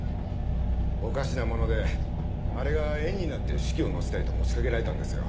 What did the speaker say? おかしなものであれが縁になって手記を載せたいと持ちかけられたんですよ。